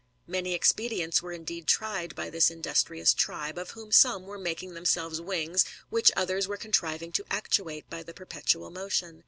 Many expedients were indeed tried by this industrious tribe, of whom some were making them selves wings, which others were contriving to actuate by the perpetual motion.